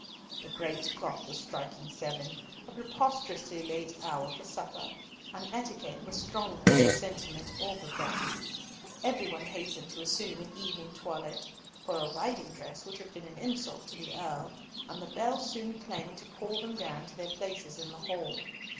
The great clock was striking seven, a preposterously late hour for supper, and etiquette was stronger than sentiment or perplexity. Every one hastened to assume an evening toilette, for a riding dress would have been an insult to the Earl, and the bell soon clanged to call them down to their places in the hall.